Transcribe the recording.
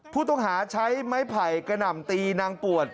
ผู้ต้องหาใช้ไม้ไผ่กระหน่ำตีนางปวด